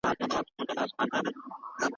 پوهېږې؟ په جنت کې به همداسې لېونی يم